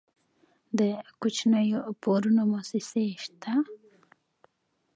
د کوچنیو پورونو موسسې شته؟